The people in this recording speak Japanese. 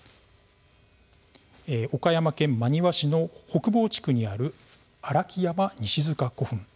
岡山県真庭市の北房地区にある荒木山西塚古墳。